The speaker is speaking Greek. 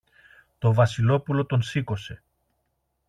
Το Βασιλόπουλο τον σήκωσε.